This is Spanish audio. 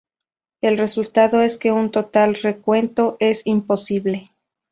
El resultado es que un total recuento es imposible.